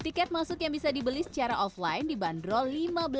tiket masuk yang bisa dibeli secara offline di bandrol lima